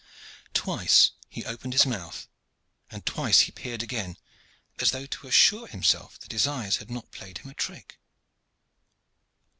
Twice he opened his mouth and twice he peered again, as though to assure himself that his eyes had not played him a trick.